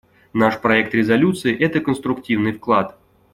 Наш проект резолюции — это конструктивный вклад.